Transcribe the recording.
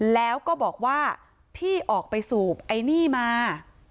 แล้วก็บอกว่าพี่ออกไปสูบไอ้นี่มา